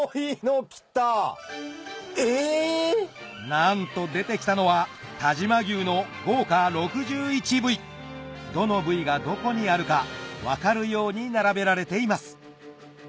なんと出てきたのは但馬牛の豪華６１部位どの部位がどこにあるか分かるように並べられています